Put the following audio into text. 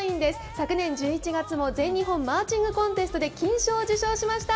昨年１１月も全日本マーチングコンテストで金賞を受賞しました。